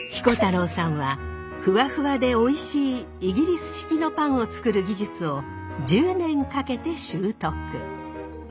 彦太郎さんはフワフワでおいしいイギリス式のパンを作る技術を１０年かけて習得。